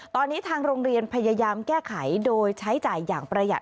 ตอนนี้ทางโรงเรียนพยายามแก้ไขโดยใช้จ่ายอย่างประหยัด